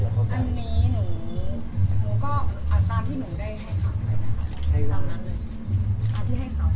อยากทำเครื่องอธิบายตอนที่เราเสร็จเป็นวงภาพ